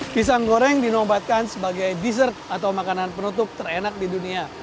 pisang goreng dinobatkan sebagai dessert atau makanan penutup terenak di dunia